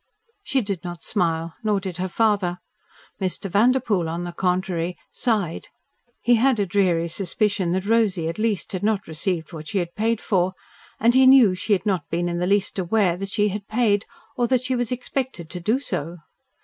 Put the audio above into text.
She did not smile, nor did her father. Mr. Vanderpoel, on the contrary, sighed. He had a dreary suspicion that Rosy, at least, had not received what she had paid for, and he knew she had not been in the least aware that she had paid or that she was expected to do so.